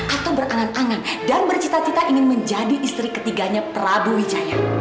atau berkanan tangan dan bercita cita ingin menjadi istri ketiganya prabu wijaya